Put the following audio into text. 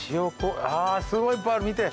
すごいいっぱいある見て。